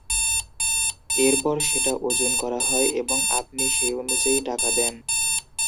এরপর সেটা ওজন করা হয় এবং আপনি সেই অনুযায়ী টাকা দেন।